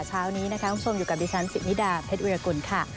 เช้านี้คุณชมอยู่กับดิฉันสิบนิดาเพชรเวียกุลค่ะ